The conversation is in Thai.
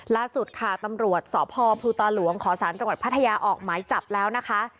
ล่าสุดค่ะตำรวจสพภูตาหลวงขอสารจังหวัดพัทยาออกหมายจับแล้วนะคะ